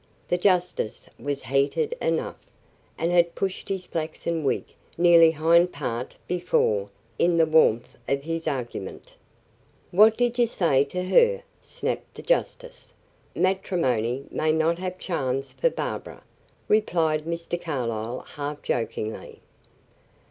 The justice was heated enough, and had pushed his flaxen wig nearly hind part before, in the warmth of his argument. "What did you say to her?" snapped the justice. "Matrimony may not have charms for Barbara," replied Mr. Carlyle half jokingly.